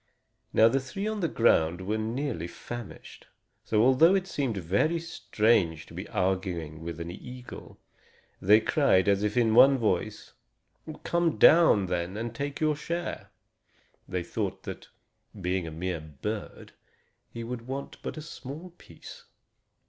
Now the three on the ground were nearly famished. So, although it seemed very strange to be arguing with an eagle, they cried, as if in one voice: "Come down, then, and take your share." They thought that, being a mere bird, he would want but a small piece.